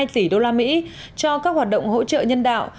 hai mươi hai hai tỷ đô la mỹ cho các hoạt động hỗ trợ nhân đạo